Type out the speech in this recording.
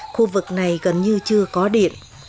khu vực này gần như chưa có điện